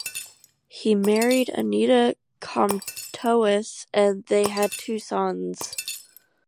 He married Anita Comtois, and they had two sons.